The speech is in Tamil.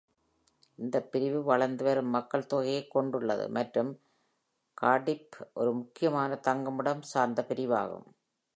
இந்த பிரிவு வளர்ந்து வரும் மக்கள்தொகையைக் கொண்டுள்ளது மற்றும் கார்டிஃப் ஒரு முக்கியமான 'தங்குமிடம்' சார்ந்த பிரிவாகும்.